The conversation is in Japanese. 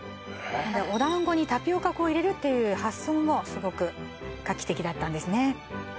お団子にタピオカ粉を入れるっていう発想もすごく画期的だったんですね